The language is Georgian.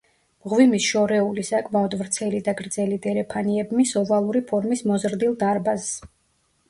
მღვიმის შორეული, საკმაოდ ვრცელი და გრძელი დერეფანი ებმის ოვალური ფორმის მოზრდილ დარბაზს.